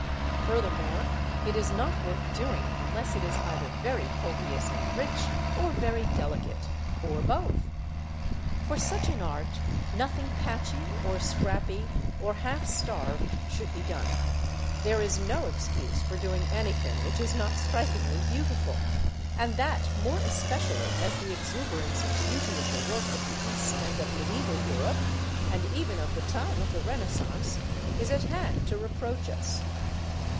Furthermore, it is not worth doing unless it is either very copious and rich, or very delicate or both. For such an art nothing patchy or scrappy, or half starved, should be done: there is no excuse for doing anything which is not strikingly beautiful; and that more especially as the exuberance of beauty of the work of the East and of Mediæval Europe, and even of the time of the Renaissance, is at hand to reproach us.